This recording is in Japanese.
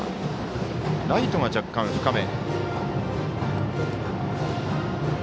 ライトが若干、深め。